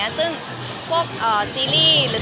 ซึ่งพวกซีรีส์